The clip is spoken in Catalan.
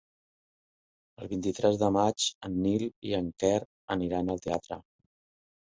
El vint-i-tres de maig en Nil i en Quer aniran al teatre.